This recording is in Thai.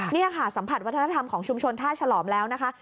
นี่ค่ะสัมผัสวัฒนธรรมของชุมชนท่าฉลอมแล้วนะคะ